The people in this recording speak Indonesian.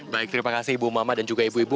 baik terima kasih ibu mama dan juga ibu ibu